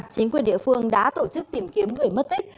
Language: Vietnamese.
chính quyền địa phương đã tổ chức tìm kiếm người mất tích